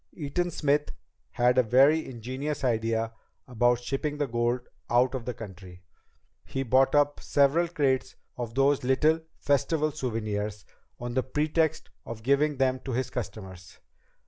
Eaton Smith had a very ingenious idea about shipping the gold out of the country. He bought up several crates of those little Festival souvenirs, on the pretext of giving them to his customers.